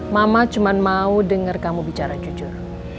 mama cuma mau dengar kamu bicara jujur